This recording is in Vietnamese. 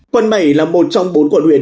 quận bảy là một trong bốn quận huyền